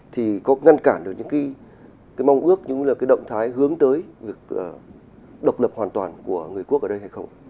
thì có ngăn cản được những cái mong ước là cái động thái hướng tới việc độc lập hoàn toàn của người quốc ở đây hay không